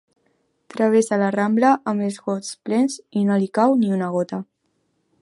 Travessa la Rambla amb els gots plens i no li cau ni una gota.